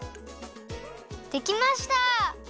できました！